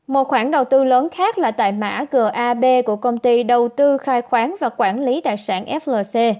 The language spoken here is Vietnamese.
một khoản đầu tư lớn khác là tại mã gab của công ty đầu tư khai khoáng và quản lý tài sản flc